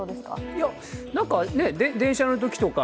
なんか、電車のときとか。